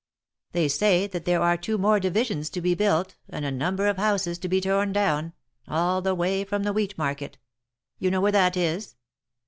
They say that there are two more divisions to be built, and a number of houses to be torn down, all the way from the wheat market. You know where that is